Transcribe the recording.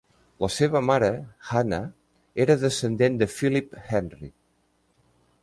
La seva mare, Hannah, era descendent de Philip Henry.